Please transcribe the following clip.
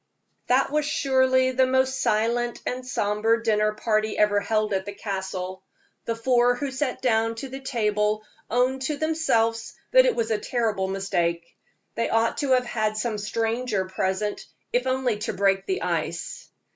That was surely the most silent and somber dinner party ever held at the Castle. The four who sat down to the table owned to themselves that it was a terrible mistake they ought to have had some stranger present, if only to break the ice.